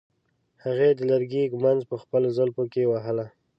هغې د لرګي ږمنځ په خپلو زلفو کې وهله.